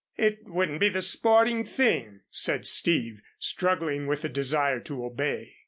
"It wouldn't be the sporting thing," said Steve, struggling with a desire to obey.